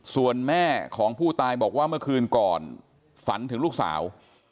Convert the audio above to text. ส่วนแม่ของผู้ตายบอกว่าเมื่อคืนก่อนฝันถึงลูกสาว